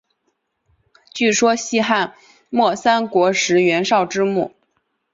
据说系汉末三国时袁绍之墓。